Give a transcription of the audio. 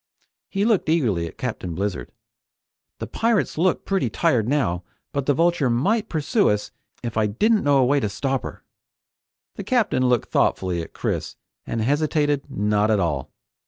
He looked eagerly at Captain Blizzard. "The pirates look pretty tired now, but the Vulture might pursue us if I didn't know a way to stop her!" The Captain looked thoughtfully at Chris and hesitated not at all.